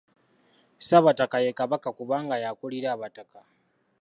Ssaabataka ye Kabaka kubanga y’akulira abataka.